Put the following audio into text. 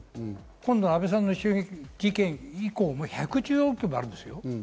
今度、安倍さんの襲撃事件以降も１１４件もあるんですよ。